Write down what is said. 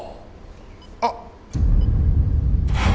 あっ！